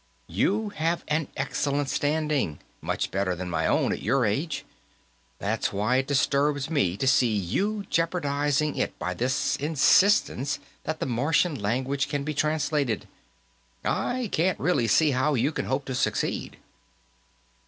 "You have an excellent standing: much better than my own, at your age. That's why it disturbs me to see you jeopardizing it by this insistence that the Martian language can be translated. I can't, really, see how you can hope to succeed."